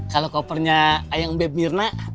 kalau kopernya yang beb mirna